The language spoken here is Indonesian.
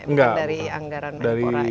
bukan dari anggaran mekpora ya